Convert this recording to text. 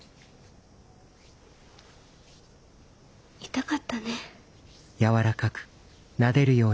痛かったね。